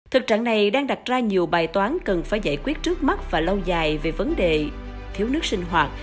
thực trạng này đang đặt ra nhiều bài toán cần phải giải quyết trước mắt và lâu dài về vấn đề thiếu nước sinh hoạt